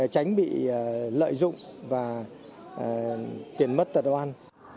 tránh bị lợi dụng và tiền mất tật oan